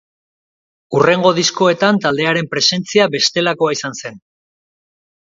Hurrengo diskoetan taldearen presentzia bestelakoa izan zen.